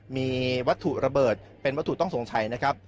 มีวัตถุระเบิดเป็นวัตถุต้องสงสัยนะครับ